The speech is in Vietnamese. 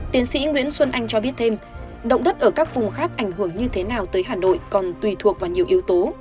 tiến sĩ nguyễn xuân anh cho biết thêm động đất ở các vùng khác ảnh hưởng như thế nào tới hà nội còn tùy thuộc vào nhiều yếu tố